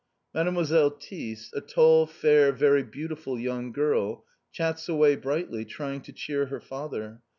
Mademoiselle Thys, a tall, fair, very beautiful young girl, chats away brightly, trying to cheer her father.